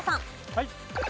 はい。